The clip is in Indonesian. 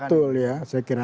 betul ya saya kira